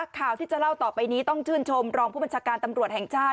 ข่าวที่จะเล่าต่อไปนี้ต้องชื่นชมรองผู้บัญชาการตำรวจแห่งชาติ